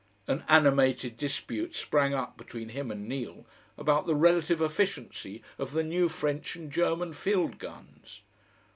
An animated dispute sprang up between him and Neal about the relative efficiency of the new French and German field guns.